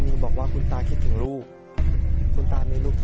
แต่ว่าติดต่อเขาไม่ได้